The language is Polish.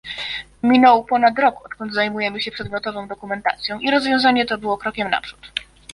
Minął ponad rok, odkąd zajmujemy się przedmiotową dokumentacją i rozwiązanie to było krokiem naprzód